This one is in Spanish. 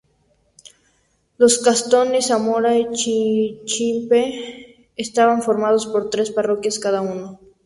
Los cantones Zamora y Chinchipe estaban conformados por tres parroquias cada uno.